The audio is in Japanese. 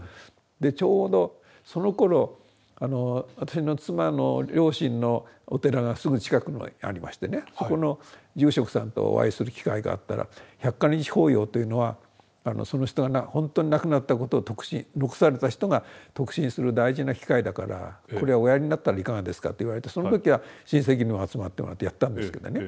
でちょうどそのころ私の妻の両親のお寺がすぐ近くにありましてねそこの住職さんとお会いする機会があったら百箇日法要というのはその人がほんとに亡くなったことを残された人が得心する大事な機会だからこれおやりになったらいかがですかって言われてその時は親戚にも集まってもらってやったんですけどね。